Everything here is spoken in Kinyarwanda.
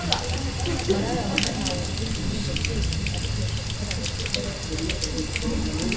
Malala wanahawe ibindi bihembo byinshi abikesha guharanira amahoro akiri muto